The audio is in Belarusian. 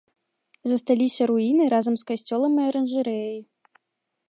Засталіся руіны разам з касцёлам і аранжарэяй.